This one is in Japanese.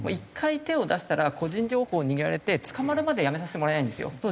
１回手を出したら個人情報を握られて捕まるまでやめさせてもらえないんですよ。